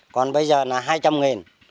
còn bây giờ là hai trăm linh nghìn